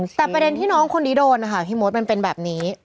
แต่ประเด็นที่น้องคนนี้โดนนะคะพี่มดมันเป็นแบบนี้